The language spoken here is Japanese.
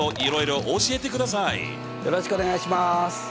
よろしくお願いします。